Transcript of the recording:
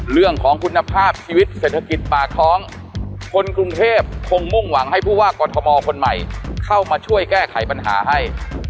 เรื่องของคุณภาพชีวิตเศรษฐกิจปากท้องคนกรุงเทพคงมุ่งหวังให้ผู้ว่ากอทมคนใหม่เข้ามาช่วยแก้ไขปัญหาให้